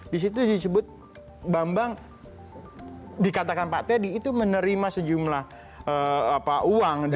di situ disebut bambang dikatakan pak teddy itu menerima sejumlah uang